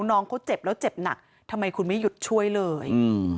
น้องเขาเจ็บแล้วเจ็บหนักทำไมคุณไม่หยุดช่วยเลยอืม